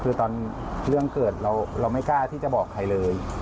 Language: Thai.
คือตอนเรื่องเกิดเราไม่กล้าที่จะบอกใครเลย